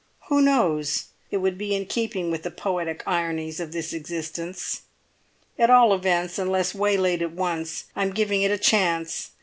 Who knows? It would be in keeping with the poetic ironies of this existence. At all events, unless waylaid at once, I am giving it a chance.